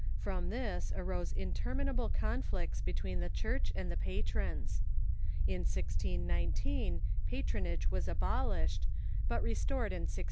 From this arose interminable conflicts between the Church and the patrons. In 1040 jjat ronage was aV)oli8hed, but restored in lOOO.